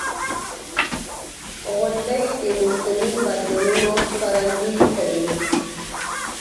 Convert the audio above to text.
• غونډۍ د موسمي بدلونونو ښکارندویي کوي.